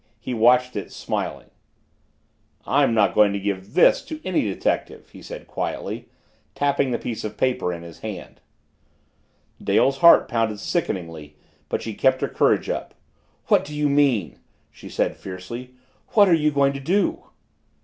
He watched it, smiling. "I'm not going to give this to any detective," he said quietly, tapping the piece of paper in his hand. Dale's heart pounded sickeningly but she kept her courage up. "What do you mean?" she said fiercely. "What are you going to do?"